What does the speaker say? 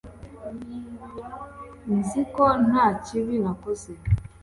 Nzi ko nta kibi nakoze